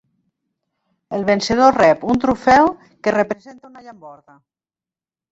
El vencedor rep un trofeu que representa una llamborda.